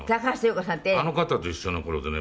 あの方と一緒の頃でね